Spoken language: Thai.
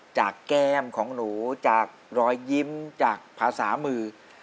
แก้มของหนูจากรอยยิ้มจากภาษามือ